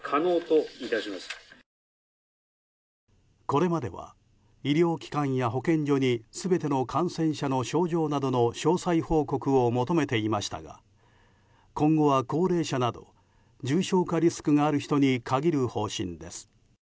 これまでは医療機関や保健所に全ての感染者の症状などの詳細報告を求めていましたが今後は高齢者など重症化リスクがある人に限る方針です。